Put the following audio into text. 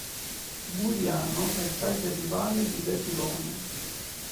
Buriano è il paese rivale di Vetulonia.